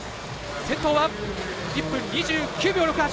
先頭は１分秒２９秒６８。